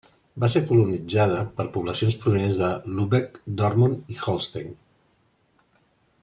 Va ser colonitzada per poblacions provinents de Lübeck, Dortmund i Holstein.